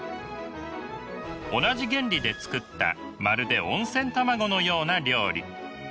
同じ原理で作ったまるで温泉卵のような料理。